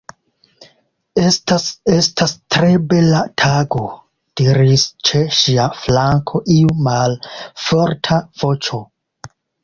"Estas... estas tre bela tago," diris ĉe ŝia flanko iu malforta voĉo.